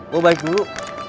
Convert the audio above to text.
gue balik dulu